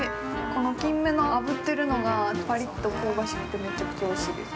このキンメのあぶってるのがパリッと香ばしくてめちゃくちゃおいしいです。